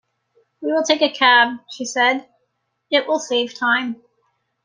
"We will take a cab," she said: "it will save time."